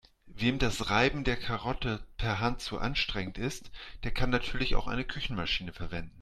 Wem das Reiben der Karotten per Hand zu anstrengend ist, der kann natürlich auch eine Küchenmaschine verwenden.